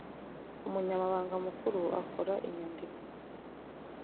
umunyamabanga mukuru akora inyandiko